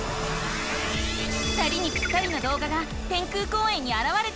２人にぴったりのどうがが天空公園にあらわれた。